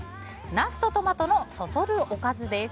ナスとトマトのそそるおかずです。